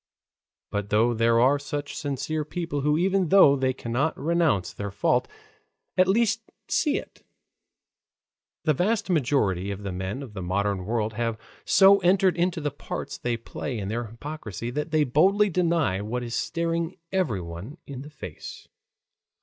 But though there are such sincere people who even though they cannot renounce their fault, at least see it, the vast majority of the men of the modern world have so entered into the parts they play in their hypocrisy that they boldly deny what is staring everyone in the face.